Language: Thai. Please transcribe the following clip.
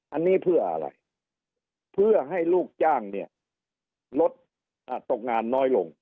อันนี้เพื่ออะไรเพื่อให้ลูกจ้างเนี่ยลดตกงานน้อยลง